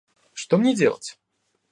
Что мне делать?